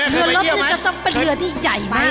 เรือลบนี่จะต้องเป็นเรือที่ใหญ่มาก